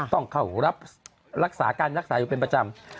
ต้องเข้ารับรักษาการรักษาอยู่เป็นประจำ